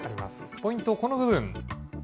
ポイント、この部分。